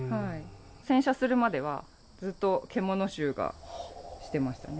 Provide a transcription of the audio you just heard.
洗車するまでは、ずっと獣臭がしてましたね。